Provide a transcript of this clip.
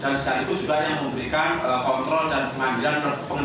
dan setelah itu juga memberikan kontrol dan pengambilan pengendalian